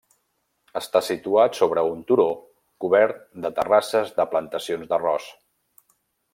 Està situat sobre un turó cobert de terrasses de plantacions d'arròs.